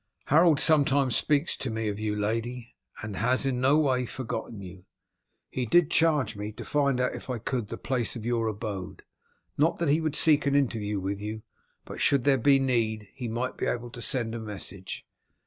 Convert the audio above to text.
"Harold sometimes speaks to me of you, lady, and has in no way forgotten you. He did charge me to find out if I could the place of your abode; not that he would seek an interview with you, but, should there be need, he might be able to send a message."